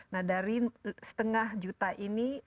nah dari setengah juta ini